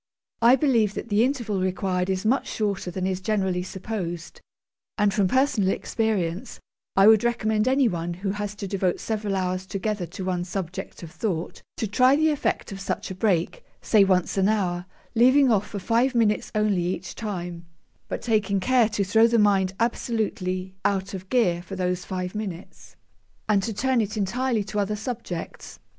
I believe that the interval required is much shorter than is generally supposed, and from personal experience, I would recommend anyone, who has to devote several hours together to one subject of thought, to try the effect of such a break, say once an hour, leaving off for five minutes only each time, but taking care to throw the mind absolutely 'out of gear' for those five minutes, and to turn it entirely to other subjects.